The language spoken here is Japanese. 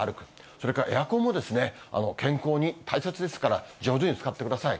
それからエアコンも健康に大切ですから、上手に使ってください。